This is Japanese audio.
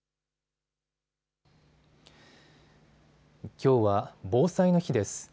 きょうは防災の日です。